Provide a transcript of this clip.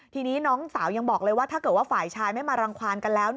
ทีนี้น้องสาวยังบอกเลยว่าถ้าเกิดว่าฝ่ายชายไม่มารังความกันแล้ว